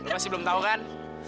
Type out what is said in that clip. masih belum tahu kan